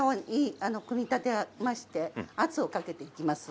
組み立てまして圧をかけていきます。